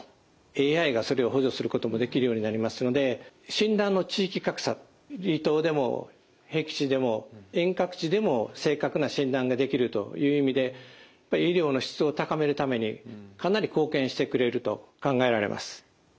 ＡＩがそれを補助することもできるようになりますので診断の地域格差離島でもへき地でも遠隔地でも正確な診断ができるという意味で医療の質を高めるためにかなり貢献してくれると考えられます。